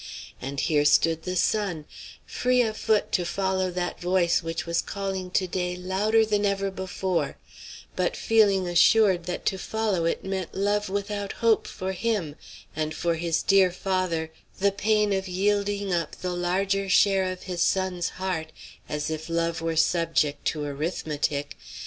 And here stood the son, free of foot to follow that voice which was calling to day louder than ever before, but feeling assured that to follow it meant love without hope for him, and for this dear father the pain of yielding up the larger share of his son's heart, as if love were subject to arithmetic!